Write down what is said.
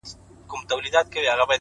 پرمختګ د عذرونو په پرېښودلو پیلېږي!.